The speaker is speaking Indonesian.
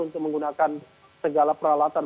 untuk menggunakan segala peralatan